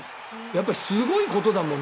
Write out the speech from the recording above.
やっぱりすごいことだもん